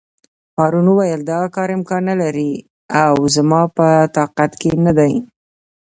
هارون وویل: دا کار امکان نه لري او زما په طاقت کې نه دی.